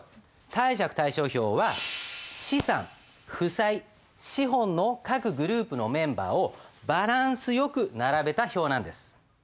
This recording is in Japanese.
貸借対照表は資産負債資本の各グループのメンバーをバランスよく並べた表なんです。